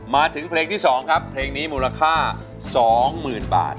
มาถึงเพลงที่๒ครับเพลงนี้มูลค่า๒๐๐๐บาท